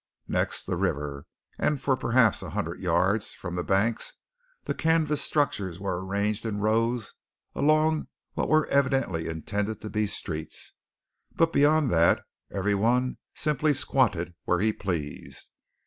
Next, the river, and for perhaps a hundred yards from the banks, the canvas structures were arranged in rows along what were evidently intended to be streets; but beyond that every one simply "squatted" where he pleased.